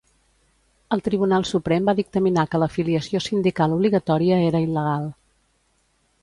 El Tribunal Suprem va dictaminar que l'afiliació sindical obligatòria era il·legal.